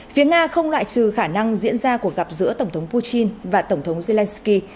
phía nga không loại trừ khả năng diễn ra cuộc gặp giữa tổng thống putin và tổng thống zelensky